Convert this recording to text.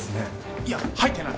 いや入ってない。